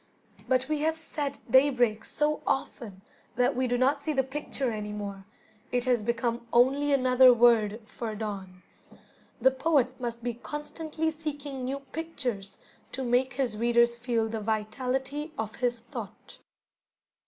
But we have said "daybreak" so often that we do not see the picture any more, it has become only another word for dawn. The poet must be constantly seeking new pictures to make his readers feel the vitality of his thought.